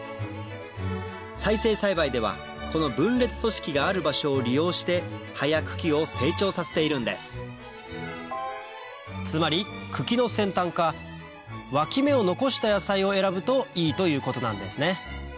再生栽培ではこの分裂組織がある場所を利用して葉や茎を成長させているんですつまり茎の先端かわき芽を残した野菜を選ぶといいということなんですね